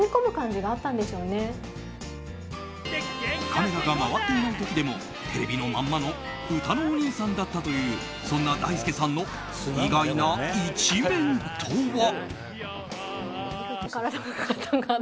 カメラが回っていない時でもテレビのまんまのうたのおにいさんだったというそんなだいすけさんの意外な一面とは。